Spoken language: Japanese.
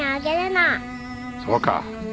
そうか。